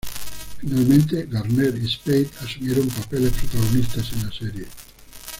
Finalmente, Garner y Spade asumieron papeles protagonistas en la serie.